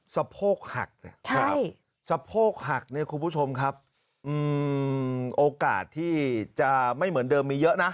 สะโพกหักเนี่ยสะโพกหักเนี่ยคุณผู้ชมครับโอกาสที่จะไม่เหมือนเดิมมีเยอะนะ